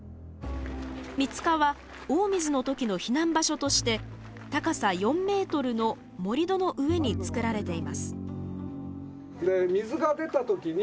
水塚は大水の時の避難場所として高さ４メートルの盛り土の上に作られています。